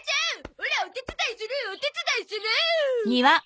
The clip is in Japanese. オラお手伝いするお手伝いする！